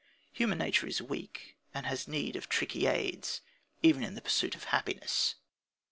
Human nature is weak, and has need of tricky aids, even in the pursuit of happiness.